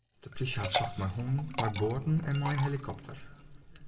De plysje hat socht mei hûnen, mei boaten en mei in helikopter.